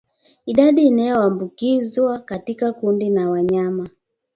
Idadi inayoambukizwa katika kundi la wanyama